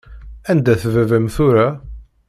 Anda-t baba-m tura?